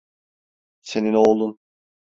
Senin oğlun.